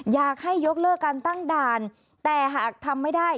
อยากให้ยกเลิกการตั้งด่านแต่หากทำไม่ได้